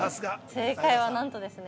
◆正解は、何とですね